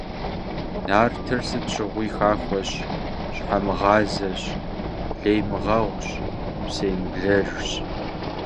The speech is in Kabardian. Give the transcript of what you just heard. Нартыр сыт щыгъуи хахуэщ, щхьэмыгъазэщ, леймыгъэгъущ, псэемыблэжщ.